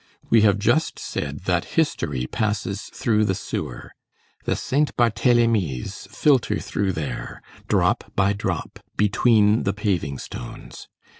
We have just said that history passes through the sewer. The Saint Barthélemys filter through there, drop by drop, between the paving stones.